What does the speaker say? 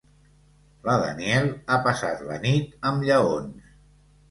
La Danielle ha passat la nit amb lleons.